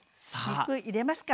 肉入れますか。